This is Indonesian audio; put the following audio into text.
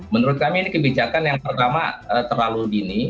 menurut kami ini kebijakan yang pertama terlalu dini